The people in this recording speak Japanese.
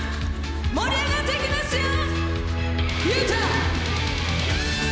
盛り上がっていきますよ！